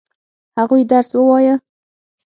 هغوی درس ووايه؟